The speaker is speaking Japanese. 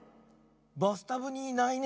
バスタブにいないね。